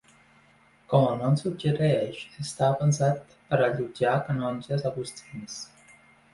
Com el nom suggereix, estava pensat per allotjar canonges agustins.